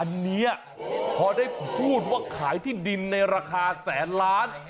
อันนี้พอได้พูดว่าขายที่ดินในราคาแสนล้าน